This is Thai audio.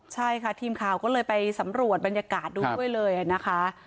ใช่ค่ะทีมข่าวก็เลยไปสำรวจบรรยากาศดูด้วยเลยนะคะ